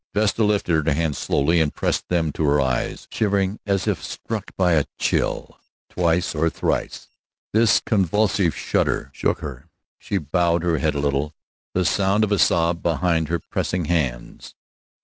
Vesta lifted her hands slowly and pressed them to her eyes, shivering as if struck by a chill. Twice or thrice this convulsive shudder shook her. She bowed her head a little, the sound of a sob behind her pressing hands.